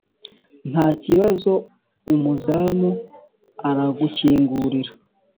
nta kibazo umuzamu aragukingurira.